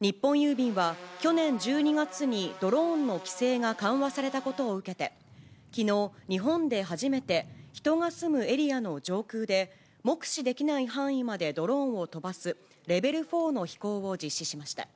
日本郵便は、去年１２月にドローンの規制が緩和されたことを受けて、きのう、日本で初めて、人が住むエリアの上空で、目視できない範囲までドローンを飛ばす、レベル４の飛行を実施しました。